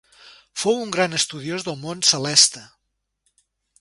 Fou un gran estudiós del món celeste.